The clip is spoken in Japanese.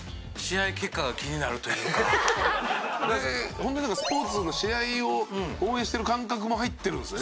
ホントなんかスポーツの試合を応援してる感覚も入ってるんですね。